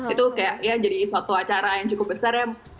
itu kayak ya jadi suatu acara yang cukup besar ya